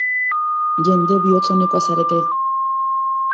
Jende bihotz-onekoa zarete.